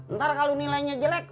ntar kalau nilainya jelek